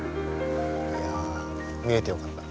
いや見れてよかった。